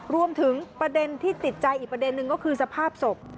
รวมถึงประเด็นที่ติดใจอีกประเด็นนึงก็คือสภาพศพ